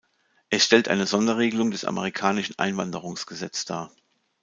Es stellt eine Sonderregelung des amerikanischen Einwanderungsgesetz dar.